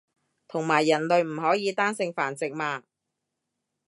同埋人類唔可以單性繁殖嘛